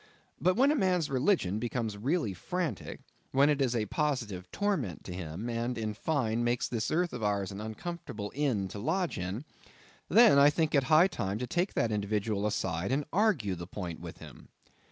But when a man's religion becomes really frantic; when it is a positive torment to him; and, in fine, makes this earth of ours an uncomfortable inn to lodge in; then I think it high time to take that individual aside and argue the point with him.